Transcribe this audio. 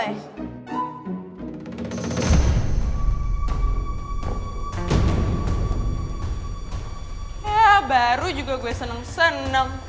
wah baru juga gue seneng seneng